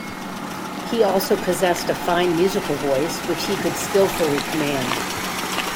He also possessed a fine musical voice, which he could skillfully command.